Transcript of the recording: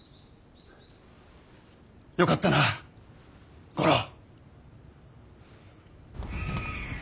よかったな五郎。